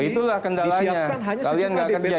itulah kendalanya kalian nggak akan diketahui